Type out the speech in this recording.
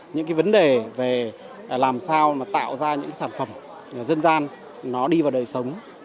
những vấn đề về làm sao tạo ra những sản phẩm dân gian đi vào đời sống